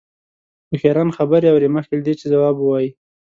هوښیاران خبرې اوري مخکې له دې چې ځواب ووايي.